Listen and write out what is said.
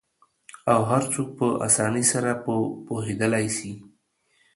او هرڅوک په آسانۍ سره په پوهیدالی سي